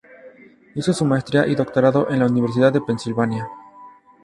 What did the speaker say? Hizo su maestría y doctorado en la la Universidad de Pennsylvania.